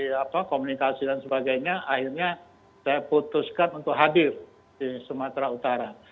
dari komunikasi dan sebagainya akhirnya saya putuskan untuk hadir di sumatera utara